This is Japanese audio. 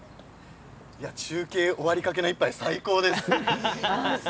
中継終わりかけの１杯、最高です。